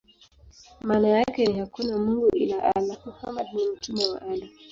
Maana yake ni: "Hakuna mungu ila Allah; Muhammad ni mtume wa Allah".